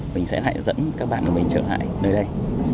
mình sẽ lại dẫn các bạn của mình trở lại nơi đây